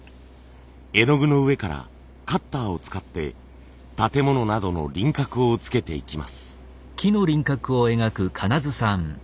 絵の具の上からカッターを使って建物などの輪郭をつけていきます。